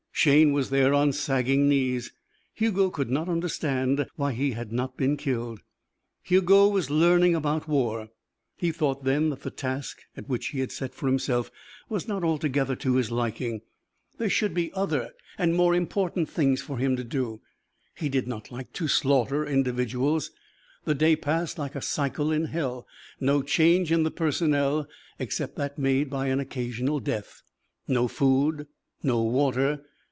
Shayne was there on sagging knees. Hugo could not understand why he had not been killed. Hugo was learning about war. He thought then that the task which he had set for himself was not altogether to his liking. There should be other and more important things for him to do. He did not like to slaughter individuals. The day passed like a cycle in hell. No change in the personnel except that made by an occasional death. No food. No water.